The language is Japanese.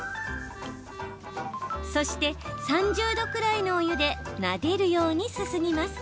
そして、３０度くらいのお湯でなでるようにすすぎます。